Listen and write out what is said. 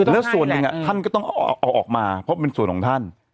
แล้วส่วนหนึ่งท่านก็ต้องเอาออกมาเพราะเป็นส่วนของท่าน